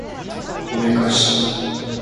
おめかし